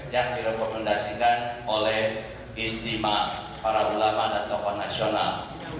yang direkomendasikan oleh istimewa para ulama dan tokoh nasional